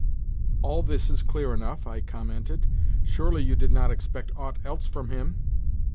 "All this is clear enough," I commented. "Surely you did not expect aught else from him?"